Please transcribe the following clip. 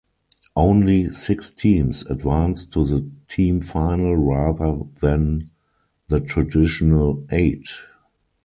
Only six teams advanced to the team final rather than the traditional eight.